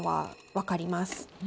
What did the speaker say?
分かります。